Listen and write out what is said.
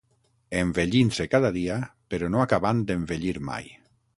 Envellint-se cada dia, però no acabant d'envellir mai